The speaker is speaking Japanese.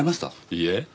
いいえ。